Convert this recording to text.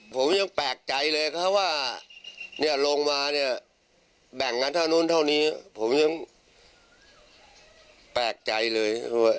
ผมยังแปลกใจเลยครับว่าเนี่ยลงมาเนี่ยแบ่งกันเท่านู้นเท่านี้ผมยังแปลกใจเลย